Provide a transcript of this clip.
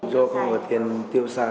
do không có tiền tiêu xa